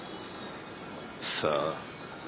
さあ。